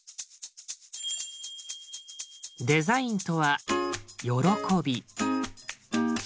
デザインとは「喜び」。